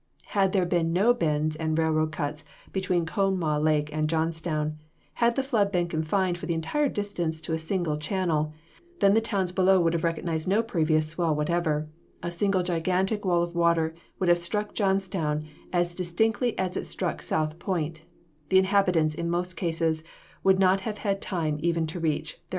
Had there been no bends and railroad cuts between Conemaugh Lake and Johnstown; had the flood been confined for the entire distance to a single channel, then the towns below would have recognized no previous swell whatever; a single gigantic wall of water would have struck Johnstown as distinctly as it struck South Point; the inhabitants, in most cases, would not have had time even to reach their [Illustration: MILL CREEK.